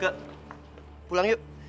kak pulang yuk